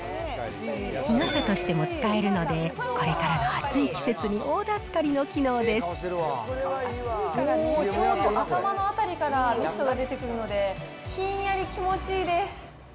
日傘としても使えるので、これからの暑い季節に大助かりの機能でおおっ、ちょうど頭の辺りからミストが出てくるので、ひんやり気持ちいいです。